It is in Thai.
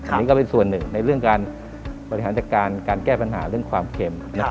อันนี้ก็เป็นส่วนหนึ่งในเรื่องการบริหารจัดการการแก้ปัญหาเรื่องความเข็ม